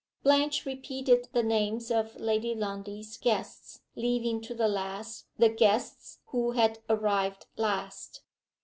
Blanche repeated the names of Lady Lundie's guests, leaving to the last the guests who had arrived last.